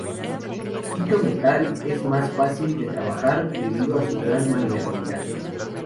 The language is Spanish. Dicho metal es más fácil de trabajar, debido a su gran maleabilidad.